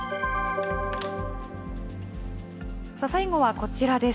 さあ、最後はこちらです。